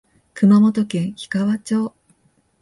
熊本県氷川町